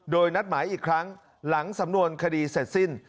โดยนัดหมายอีกครั้งหลังสำนวนคดีเสร็จสิ้น